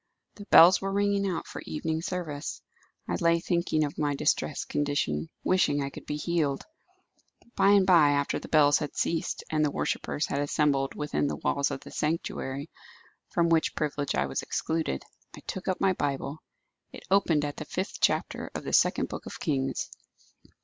The bells were ringing out for evening service. I lay thinking of my distressed condition; wishing I could be healed. By and by, after the bells had ceased, and the worshippers had assembled within the walls of the sanctuary, from which privilege I was excluded, I took up my Bible. It opened at the fifth chapter of the second book of Kings.